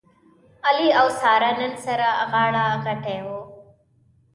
علي او ساره نن سره غاړه غټۍ و.